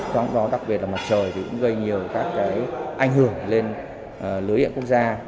trong đó đặc biệt là mặt trời thì cũng gây nhiều các cái ảnh hưởng lên lưới điện quốc gia